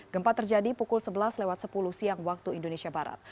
gempa terjadi pukul sebelas lewat sepuluh siang waktu indonesia barat